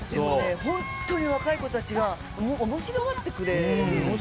本当に若い子たちが面白がってくれて。